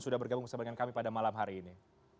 sudah bergabung bersama dengan kami pada malam hari ini